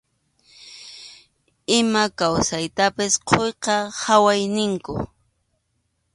Ima kawsaytapas quyqa hayway ninkum.